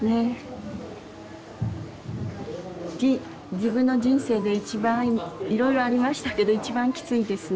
自分の人生で一番いろいろありましたけど一番きついですね。